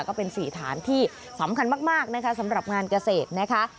ก็เป็น๔ฐานที่สำคัญมากนะคะสำหรับงานเกษตรนะคะ